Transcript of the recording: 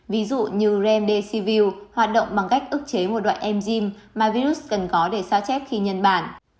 ví dụ như remdesivir hoạt động bằng cách ức chế một đoạn enzyme mà virus cần có để sao chép khi nhân bản